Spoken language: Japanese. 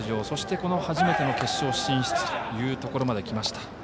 そして、初めての決勝進出というところまできました。